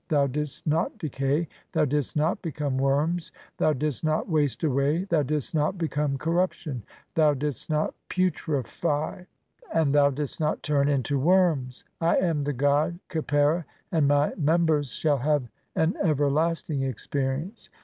Thou didst "not decay, thou didst not become worms, thou didst "not waste away, thou didst not become corruption, "thou didst not putrefy, and thou didst not turn into "worms. I am the god Khepera, and my members "shall have an everlasting existence.